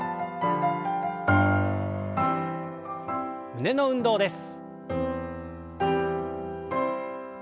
胸の運動です。